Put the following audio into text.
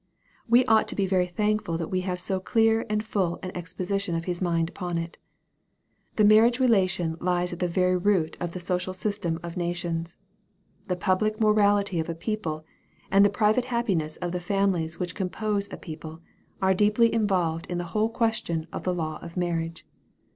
We ought to be very thankful that we have so clear and full an exposition of His mind upon it. The marriage relation lies at the very root of the social system of nations The public morality of a people, and the private happiness of the families which compose a peo ple, are deeply involved in the whole question of the law of marriage.